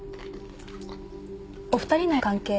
お二人の関係って。